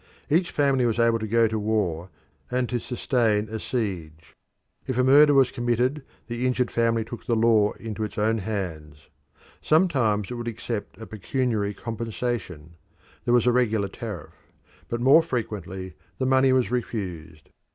Each family was able to go to war and to sustain a siege. If a murder was committed the injured family took the law into its own hands; sometimes it would accept a pecuniary compensation there was a regular tariff but more frequently the money was refused.